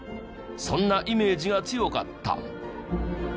そんなイメージが強かった。